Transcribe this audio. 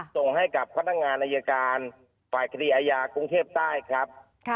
ส่งให้กับพนักงานอายการฝ่ายคดีอายากรุงเทพใต้ครับ